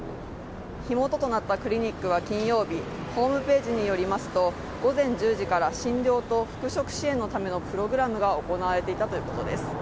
火元となったクリニックは金曜日、ホームページによりますと、午前１０時から診療と復職支援のためのプログラムが行われていたということです。